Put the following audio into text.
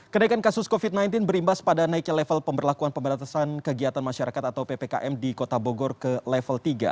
kenaikan kasus covid sembilan belas berimbas pada naiknya level pemberlakuan pembatasan kegiatan masyarakat atau ppkm di kota bogor ke level tiga